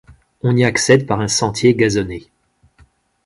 On y accède par un sentier gazonné.